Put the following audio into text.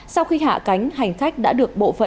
sau khi hạ cánh hành khách đã được quay trở lại nội bài